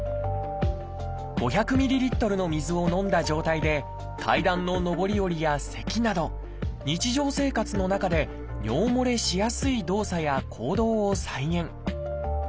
５００ｍＬの水を飲んだ状態で階段の上り下りやせきなど日常生活の中で尿もれしやすい動作や行動を再現。